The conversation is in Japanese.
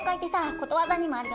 ことわざにもあるよね。